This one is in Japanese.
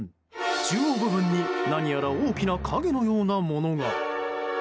中央部分に何やら大きな影のようなものが。